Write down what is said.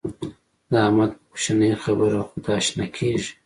د احمد په کوشنۍ خبره خوا شنه کېږي.